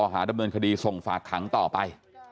หาดำเนินคดีส่งฝากขังต่อไป